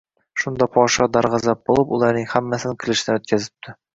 Shunda podsho darg‘azab bo‘lib ularning hammasini qilichdan o‘tkazibdi